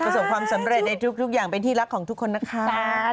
ส่งความสำเร็จในทุกอย่างเป็นที่รักของทุกคนนะครับ